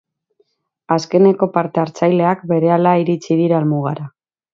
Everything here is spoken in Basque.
Azkeneko parte-hartzaileak berehala iritsi dira helmugara.